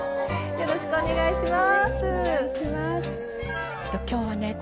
よろしくお願いします。